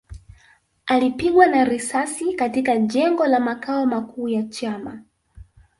Alipigwa na risasi katika jengo la makao makuu ya chama